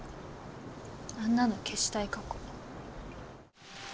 あんなの消したい過去。